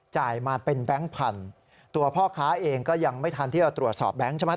มาเป็นแบงค์พันตัวพ่อค้าเองก็ยังไม่ทันที่จะตรวจสอบแบงค์ใช่ไหม